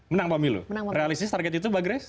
menang pak milo realistis target itu pak gres